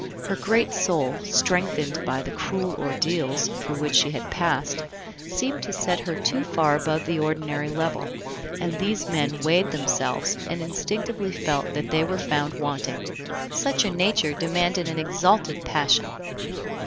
Her great soul, strengthened by the cruel ordeals through which she had passed, seemed to set her too far above the ordinary level, and these men weighed themselves, and instinctively felt that they were found wanting. Such a nature demanded an exalted passion.